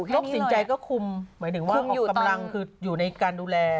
โรคสินใจก็คุมหมายถึงว่าผู้ออกกำลังคืออยู่ในการดูแล